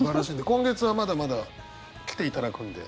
今月はまだまだ来ていただくんで。